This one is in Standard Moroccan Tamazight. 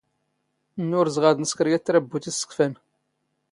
ⵏⵏⵓⵔⵣⵖ ⴰⴷ ⵏⵙⴽⵔ ⵢⴰⵜ ⵜⵔⴰⴱⴱⵓⵜ ⵉⵙⵙⴽⴼⴰⵏ.